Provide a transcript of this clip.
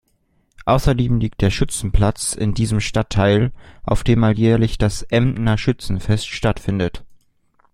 Außerdem liegt der Schützenplatz in diesem Stadtteil, auf dem alljährlich das "Emder Schützenfest" stattfindet.